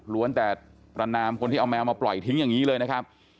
แต่ประนามคนที่เอาแมวมาปล่อยทิ้งอย่างนี้เลยนะครับ